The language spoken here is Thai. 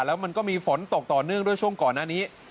แล้วมันก็มีฝนตกต่อเนื่องด้วยช่วงก่อนหน้านี้